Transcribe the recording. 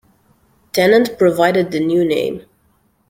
Tennent provided the new name.